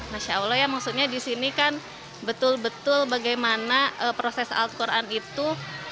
masya allah ya maksudnya di sini kan betul betul bagaimana proses al quran itu